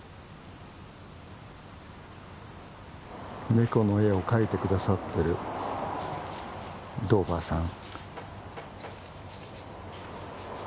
ネコの絵を描いてくださってるドーバーさん。